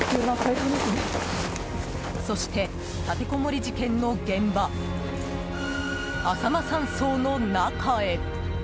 そして、立てこもり事件の現場浅間山荘の中へ。